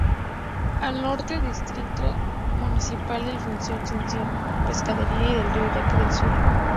Al Norte: Distrito Municipal de Fundación, Sección Pescadería y el Río Yaque del Sur.